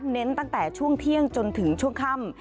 เน้นตั้งแต่ช่วงเที่ยงจนถึงช่วงค่ำ